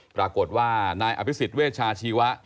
ปรากฏว่านายอภิษฎเวชาชีวะ